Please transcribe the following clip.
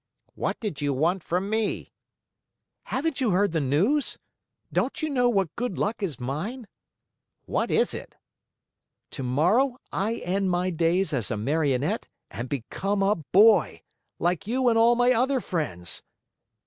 "What did you want from me?" "Haven't you heard the news? Don't you know what good luck is mine?" "What is it?" "Tomorrow I end my days as a Marionette and become a boy, like you and all my other friends."